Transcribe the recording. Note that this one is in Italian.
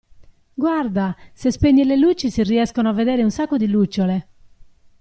Guarda, se spegni le luci si riescono a vedere un sacco di lucciole!